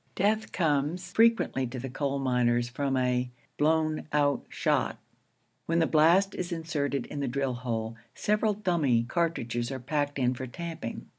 Death comes frequently to the coal miners from a 'blown out shot.' When the blast is inserted in the drill hole, several dummy cartridges are packed in for tamping.